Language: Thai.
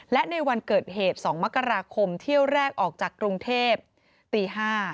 และในวันเกิดเหตุ๒มกราคมเที่ยวแรกออกจากกรุงเทพตี๕